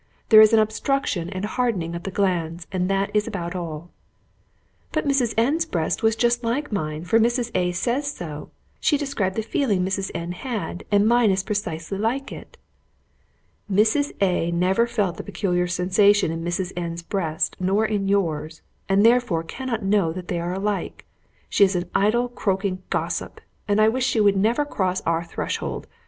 There is an obstruction and hardening of the glands, and that is about all." "But Mrs. N 's breast was just like mine, for Mrs. A says so. She described the feeling Mrs. N had, and mine is precisely like it." "Mrs. A neither felt the peculiar sensation in Mrs. N 's breast nor in yours; and, therefore, cannot know that they are alike. She is an idle, croaking gossip, and I wish she would never cross our threshold.